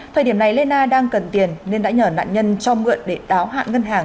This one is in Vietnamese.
thời điểm này lê na đang cần tiền nên đã nhờ nạn nhân cho mượn để đáo hạn ngân hàng